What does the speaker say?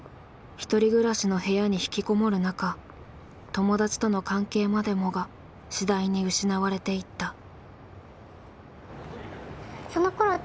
１人暮らしの部屋に引きこもる中友達との関係までもが次第に失われていった。